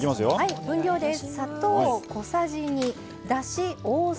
分量です。